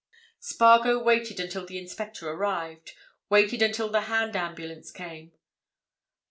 Spargo waited until the inspector arrived; waited until the hand ambulance came.